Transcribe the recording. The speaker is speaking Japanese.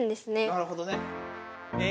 なるほどね。